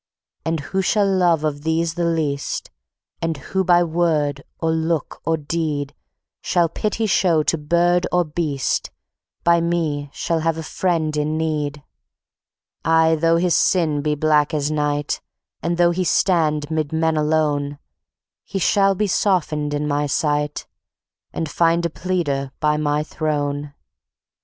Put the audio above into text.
"And who shall love of these the least, And who by word or look or deed Shall pity show to bird or beast, By Me shall have a friend in need. Aye, though his sin be black as night, And though he stand 'mid men alone, He shall be softened in My sight, And find a pleader by My Throne.